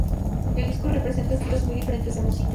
El disco representa estilos muy diferentes de música.